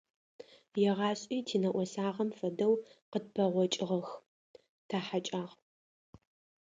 Егъашӏи тинэӏосагъэхэм фэдэу къытпэгъокӏыгъэх, тахьэкӏагъ.